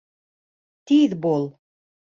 Тиҙ бул!